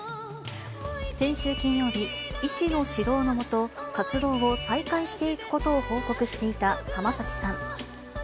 先週金曜日、医師の指導の下、活動を再開していくことを報告していた浜崎さん。